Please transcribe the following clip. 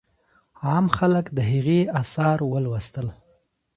عام خلک د هغې آثار ولوستل.